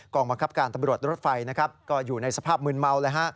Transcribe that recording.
กองบังคับการตำรวจรถไฟก็อยู่ในสภาพมืนเมา